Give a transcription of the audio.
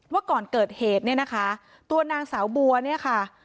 ว่าก่อนเกิดเหตุเนี่ยนะคะตัวนางสาวบัวเนี่ยค่ะ